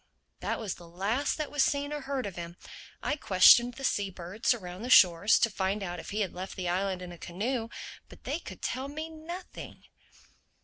That was the last that was seen or heard of him. I questioned the sea birds around the shores to find out if he had left the island in a canoe. But they could tell me nothing."